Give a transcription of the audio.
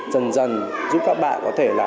dần dần giúp các bạn có thể là